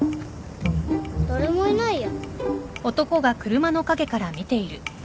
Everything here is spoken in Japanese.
誰もいないや。